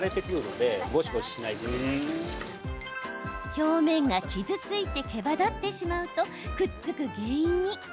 表面が傷ついてけばだってしまうとくっつく原因に。